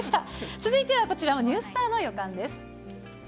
続いてはこちらもニュースターの予感です。